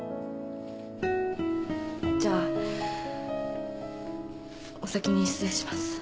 じゃあお先に失礼します。